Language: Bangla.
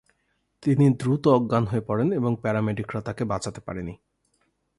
তিনি দ্রুত অজ্ঞান হয়ে পড়েন এবং প্যারামেডিকরা তাকে বাঁচাতে পারেনি।